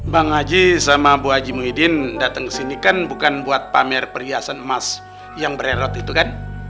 bang haji sama bu haji muhyiddin dateng kesini kan bukan buat pamer perhiasan emas yang beredot itu kan